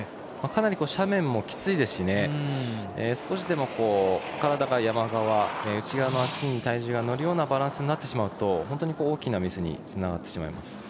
かなり斜面もきついですし少しでも体が山側内側の足に体重が乗るようなバランスになってしまうと本当に大きなミスにつながってしまいます。